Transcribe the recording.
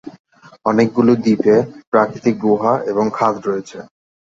অনেকগুলি দ্বীপে প্রাকৃতিক গুহা এবং খাদ রয়েছে।